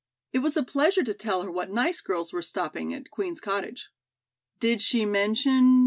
"It was a pleasure to tell her what nice girls were stopping at Queen's Cottage." "Did she mention?"